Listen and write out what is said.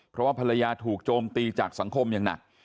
เพราะว่าภรรยาถูกโจมตีจากสังคมอย่างหนัก